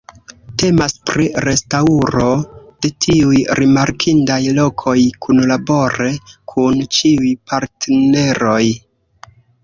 Temas pri restaŭro de tiuj rimarkindaj lokoj kunlabore kun ĉiuj partneroj.